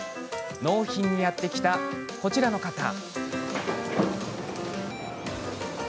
納品にやって来た、こちらの方。